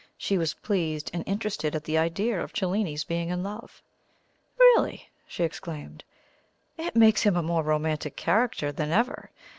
She was pleased and interested at the idea of Cellini's being in love. "Really!" she exclaimed, "it makes him a more romantic character than ever!